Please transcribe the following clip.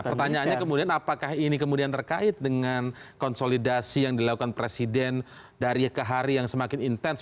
pertanyaannya kemudian apakah ini kemudian terkait dengan konsolidasi yang dilakukan presiden dari ke hari yang semakin intens